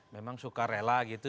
memang suka rela gitu